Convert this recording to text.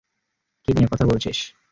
কী নিয়ে কথা বলছিস?